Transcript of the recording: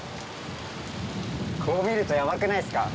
こう見るとヤバくないっすか？